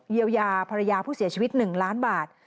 เยียวยาภรรยาผู้เสียชีวิต๑ล้านบาท